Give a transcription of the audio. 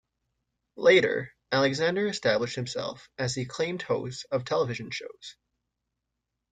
Later, Alexander established himself as the acclaimed host of television shows.